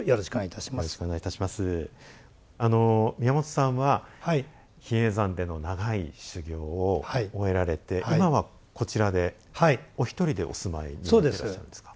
宮本さんは比叡山での長い修行を終えられて今はこちらでお一人でお住まいになってらっしゃるんですか？